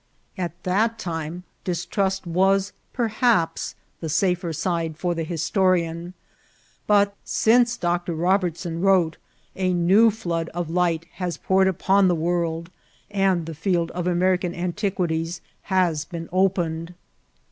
At that dme, distrust was perhaps the safer side for the histo rian ; but since Dr. Robertson wrote a new flood of light Vol. I.— N 9 98 IXGIDBNTS OP TRAYSL. bos poured upon the world, and the field of Amerieatt aatiquities has been opened.